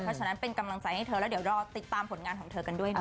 เพราะฉะนั้นเป็นกำลังใจให้เธอแล้วเดี๋ยวรอติดตามผลงานของเธอกันด้วยนะ